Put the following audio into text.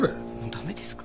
駄目ですか？